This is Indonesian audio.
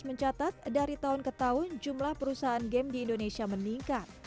mencatat dari tahun ke tahun jumlah perusahaan game di indonesia meningkat